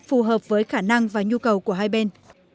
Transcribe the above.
phù hợp với khả năng và nhu cầu của hai bên